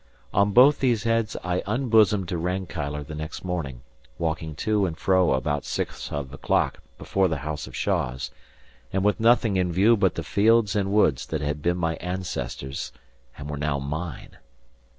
On both these heads I unbosomed to Rankeillor the next morning, walking to and fro about six of the clock before the house of Shaws, and with nothing in view but the fields and woods that had been my ancestors' and were now mine.